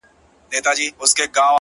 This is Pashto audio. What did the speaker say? • هغې ويله ځمه د سنگسار مخه يې نيسم،